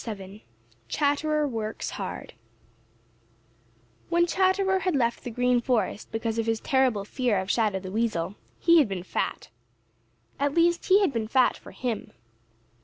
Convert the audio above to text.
*VII* *CHATTERER WORKS HARD* When Chatterer had left the Green Forest because of his terrible fear of Shadow the Weasel, he had been fat. At least, he had been fat for him.